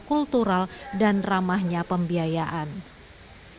kultural dan kultural dan kultural dan kultural dan kultural dan kultural dan kultural dan kultural